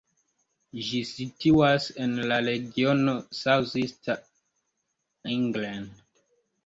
Ĝi situas en la regiono South East England.